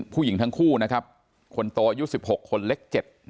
ผู้หญิงทั้งคู่นะครับคนโตอายุ๑๖คนเล็ก๗